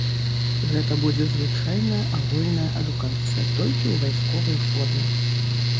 Гэта будзе звычайная агульная адукацыя, толькі ў вайсковай форме.